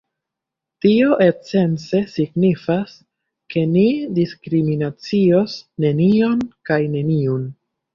Tio esence signifas, ke ni diskriminacios nenion kaj neniun.